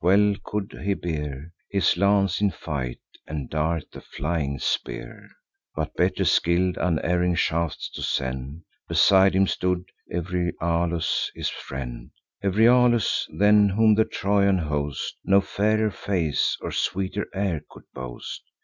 Well could he bear His lance in fight, and dart the flying spear, But better skill'd unerring shafts to send. Beside him stood Euryalus, his friend: Euryalus, than whom the Trojan host No fairer face, or sweeter air, could boast.